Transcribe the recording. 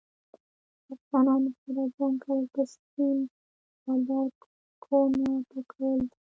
له افغانانو سره جنګ کول په سيم ښاردار کوونه پاکول دي